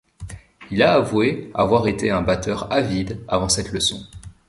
Il a avoué avoir été un batteur avide avant cette leçon.